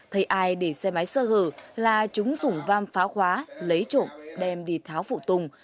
thầy ai để xe máy sơ hử là chúng dùng vam phá khóa lấy trộm đem đi tháo phụ tùng